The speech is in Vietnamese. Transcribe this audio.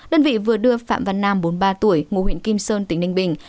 đơn vị vừa đưa phạm văn nam bốn mươi ba tuổi ngụ huyện kim sơn tỉnh ninh bình